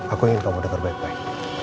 aku ingin kamu denger baik baik